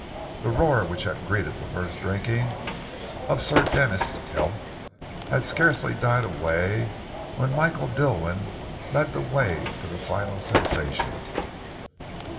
The roar which had greeted the first drinking of Sir Denis' health had scarcely died away when Michael Dilwyn led the way to the final sensation.